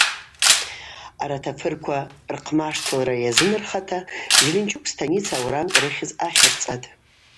Арат афырква рхъмаштылра йазынархата Зеленчук станица аурамкӏ рыхьыз ахьырцӏатӏ.